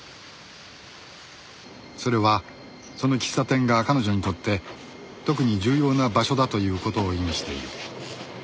それはその喫茶店が彼女にとって特に重要な場所だという事を意味している